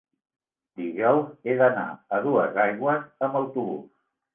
dijous he d'anar a Duesaigües amb autobús.